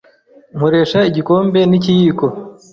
Nkoresha igikombe n'ikiyiko.